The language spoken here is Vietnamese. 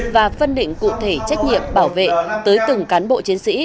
và phân định cụ thể trách nhiệm bảo vệ tới từng cán bộ chiến sĩ